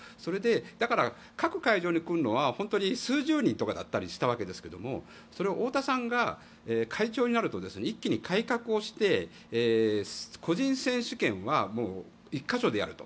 だから各会場に来るのは本当に数十人だったりとかしたわけですがそれを太田さんが会長になると一気に改革をして個人選手権は１か所でやると。